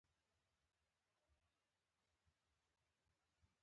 په افغانستان کې هلمند سیند د خلکو په ژوند تاثیر کوي.